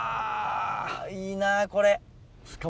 いいなこれ。